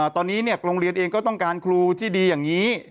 ตอนนี้โรงเรียนเองก็ต้องการครูที่ดีอย่างนี้